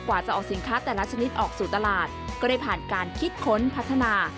จะออกสินค้าแต่ละชนิดออกสู่ตลาดก็ได้ผ่านการคิดค้นพัฒนา